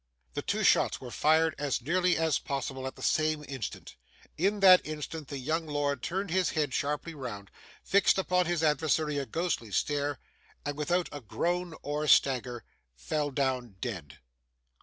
The two shots were fired, as nearly as possible, at the same instant. In that instant, the young lord turned his head sharply round, fixed upon his adversary a ghastly stare, and without a groan or stagger, fell down dead.